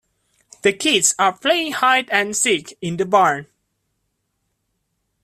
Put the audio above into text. The kids are playing hide and seek in the barn.